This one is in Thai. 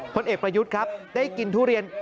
ผลเอกประยุทธ์ครับได้กินทุเรียน